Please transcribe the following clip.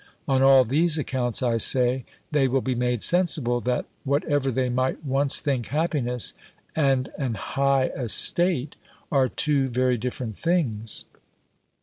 On all these accounts, I say, they will be made sensible, that, whatever they might once think, happiness and an high estate are two very different things.